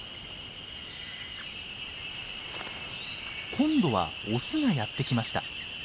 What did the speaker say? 今度はオスがやって来ました。